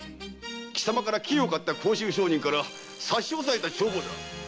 きさまから金を買った甲州商人から差し押さえた帳簿だ。